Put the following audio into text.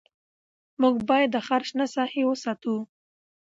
موږ باید د ښار شنه ساحې وساتو